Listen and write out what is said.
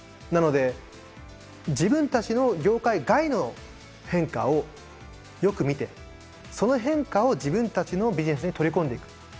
なので自分たちの業界外の変化をよく見てその変化を自分たちのビジネスに取り込んでいく。